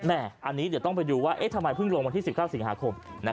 อันนี้เดี๋ยวต้องไปดูว่าทำไมเพิ่งลงวันที่๑๙สิงหาคม